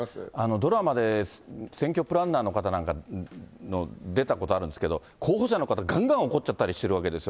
ドラマで選挙プランナーの方なんかの出たことあるんですけれども、候補者の方、がんがん怒っちゃったりしてるわけですよ。